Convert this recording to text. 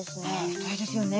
太いですよね